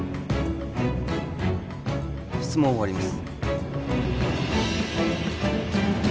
質問を終わります